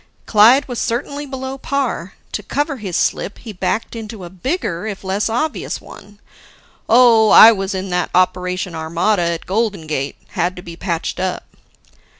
Clyde was certainly below par. To cover his slip he backed into a bigger, if less obvious, one. "Oh, I was in that Operation Armada at Golden Gate. Had to be patched up."